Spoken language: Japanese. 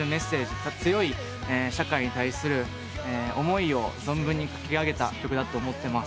強い社会に対する思いを存分に書き上げた曲だと思ってます。